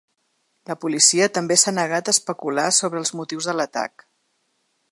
La policia també s’ha negat a especular sobre els motius de l’atac.